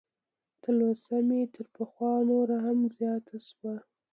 تلوسه مې تر پخوا نوره هم زیاته شوه.